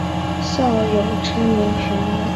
孝友之名罕有。